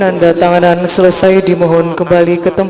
adammu negeri kami berbakti